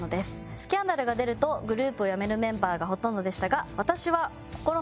スキャンダルが出るとグループを辞めるメンバーがほとんどでしたが私は。